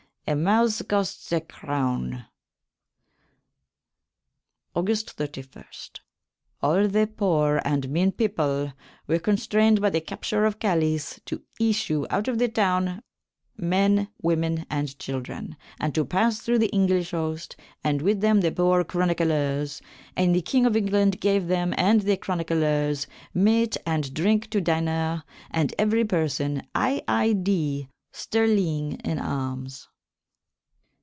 A mouse costs a croune. August 31. All the poore and mean people were constrained by the capture of Calys to yssue out of the town, men, women, and children, and to pass through the Englysshe host, and with them the poore chronyclers. And the Kynge of Englande gave them and the chronyclers mete and drinke to dyner, and every person ii d. sterlying in alms.